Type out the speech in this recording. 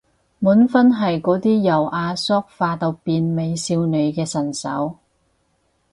滿分係嗰啲由阿叔化到變美少女嘅神手